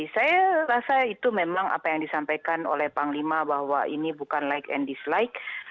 saya rasa itu memang apa yang disampaikan oleh panglima bahwa ini bukan like and dislike